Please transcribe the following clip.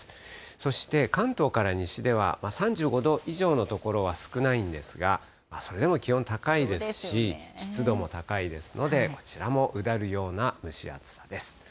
そして関東から西では、３５度以上の所は少ないんですが、それでも気温高いですし、湿度も高いですので、こちらもうだるような蒸し暑さです。